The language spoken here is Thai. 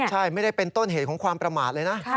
ใช่ไม่ได้เป็นต้นเหตุของความประมาทเลยนะ